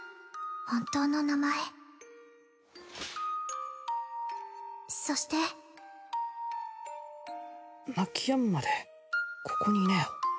本当の名前そして泣きやむまでここにいなよ